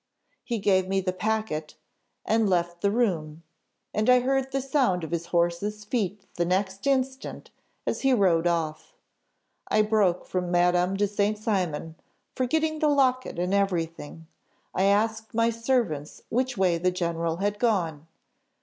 He gave me the packet, and left the room, and I heard the sound of his horses' feet the next instant as he rode off. I broke from Madame de St. Cymon, forgetting the locket and everything. I asked my servants which way the general had gone?